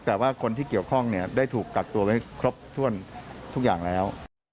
แต่ว่าคนที่เกี่ยวข้องเนี่ยได้ถูกกักตัวไว้ครบถ้วนทุกอย่างแล้ว